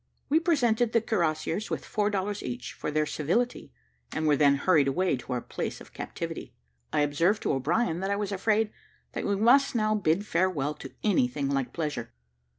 We presented the cuirassiers with four dollars each, for their civility, and were then hurried away to our place of captivity. I observed to O'Brien, that I was afraid that we must now bid farewell to anything like pleasure.